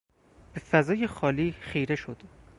به فضای خالی خیره شد.